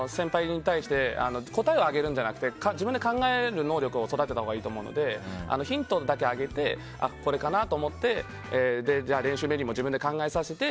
答えをあげるんじゃなくて自分で考える能力を上げたほうがいいと思うのでヒントだけあげてこれかなと思ってじゃあ練習メニューも自分で考えさせて。